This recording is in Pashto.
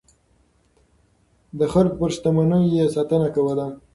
د خلکو پر شتمنيو يې ساتنه کوله.